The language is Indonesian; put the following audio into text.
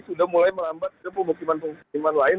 sudah mulai melambat ke pemukiman pemukiman lain